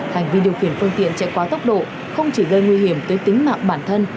hành vi điều khiển phương tiện chạy quá tốc độ không chỉ gây nguy hiểm tới tính mạng bản thân